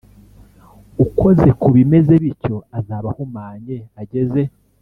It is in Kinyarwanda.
ukoze ku bimeze bityo azaba ahumanye ageze